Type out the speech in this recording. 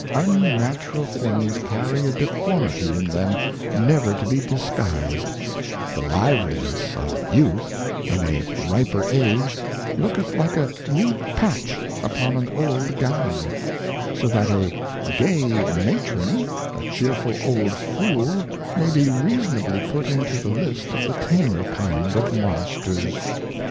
Unnatural things carry a Deformity FRIENDSHIPS. 2>Z Deformity in them never to be Disguised; the Liveliness of Youth in a riper Age, looketh like a new patch upon an old Gown; so that a Gay Matron, a cheerful old Fool may be reasonably put into the List of the Tamer kind of Monsters.